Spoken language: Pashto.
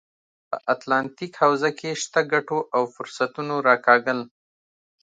په اتلانتیک حوزه کې شته ګټو او فرصتونو راکاږل.